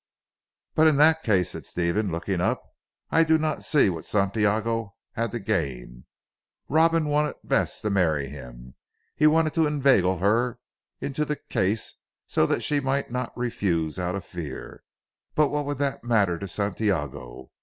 "But in that case," said Stephen looking up, "I do not see what Santiago had to gain. Robin wanted Bess to marry him. He wanted to inveigle her into the case so that she might not refuse out of fear. But what would that matter to Santiago.